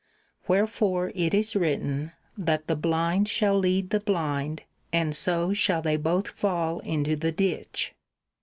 Wherefore it is written, that the blind shall lead the blind and so shall they both fall into the ditch.